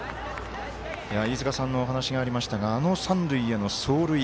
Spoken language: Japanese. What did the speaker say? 飯塚さんのお話がありましたがあの三塁への走塁。